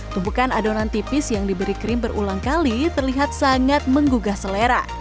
tumpukan adonan tipis yang diberi krim berulang kali terlihat sangat menggugah selera